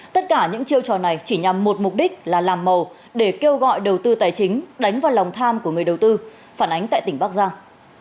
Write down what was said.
tất cả những chiêu trò này chỉ nhằm một mục đích là làm màu để kêu gọi đầu tư tài chính đánh vào lòng tham của người đầu tư phản ánh tại tỉnh bắc giang